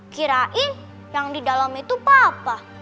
kirain yang di dalam itu papa